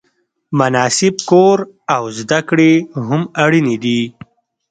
مناسب کور او زده کړې هم اړینې دي.